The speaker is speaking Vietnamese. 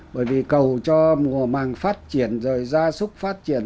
bởi vì cầu cho mùa màng phát triển rồi gia súc phát triển